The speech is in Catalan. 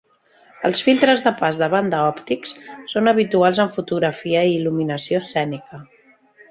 Els filtres de pas de banda òptics són habituals en fotografia i il·luminació escènica.